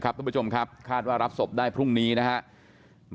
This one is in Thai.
ครับทุกประจมคาดว่ารับศพได้พรุ่งนี้นะครับ